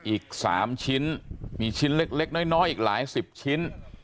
อีก๓ชิ้นมีชิ้นเล็กน้อยอีกหลายสิบชิ้น